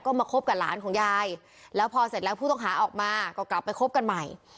ก็มาคบกับหลานของยายแล้วพอเสร็จแล้วผู้ต้องหาออกมาก็กลับไปคบกันใหม่